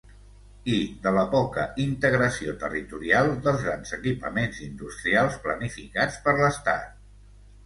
I de la poca integració territorial dels grans equipaments industrials planificats per l'Estat.